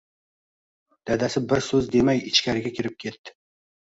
Dadasi bir so‘z demay ichkariga kirib ketdi